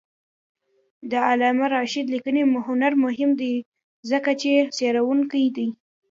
د علامه رشاد لیکنی هنر مهم دی ځکه چې څېړونکی دی.